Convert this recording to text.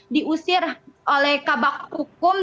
diusir oleh kabar hukum